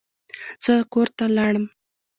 زه کور ته لاړم.